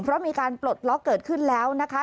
เพราะมีการปลดล็อกเกิดขึ้นแล้วนะคะ